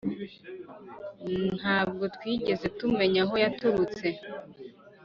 ntabwo twigeze tumenya aho yaturutse,